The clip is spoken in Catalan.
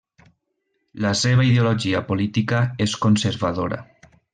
La seva ideologia política és conservadora.